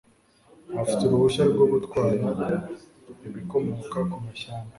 afite uruhushya rwo gutwara ibikomoka ku mashyamba